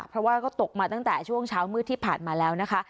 เพราะว่าก็ตกมาตั้งแต่ช่วงเช้ามืดที่ผ่านมาแล้วนะคะ